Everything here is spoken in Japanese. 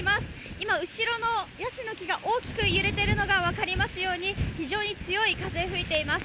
今、後ろのやしの木が大きく揺れているのが分かりますように非常に強い風が吹いています。